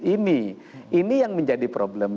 ini ini yang menjadi problem